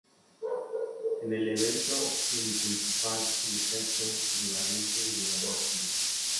En el evento semi-principal, El Sky Team de Valiente y Volador Jr.